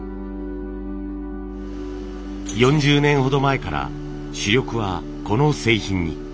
４０年ほど前から主力はこの製品に。